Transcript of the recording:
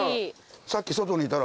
さっき外にいたら。